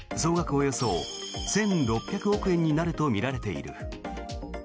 およそ１６００億円になるとみられている。